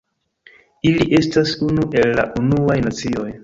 Ili estas unu el la Unuaj Nacioj.